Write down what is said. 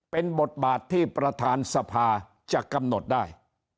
เป็นบทบาทที่ประธานสภาจะกำหนดได้